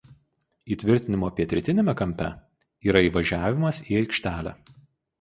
Įtvirtinimo pietrytiniame kampe yra įvažiavimas į aikštelę.